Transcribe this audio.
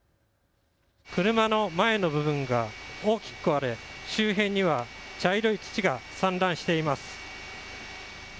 車の前の部分が大きく壊れ周辺には茶色い土が散乱しています。